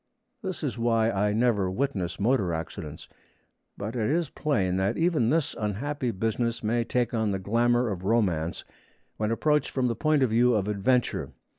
This is why I never witness motor accidents. But it is plain that even this unhappy business may take on the glamour of romance when approached from the point of view of adventure.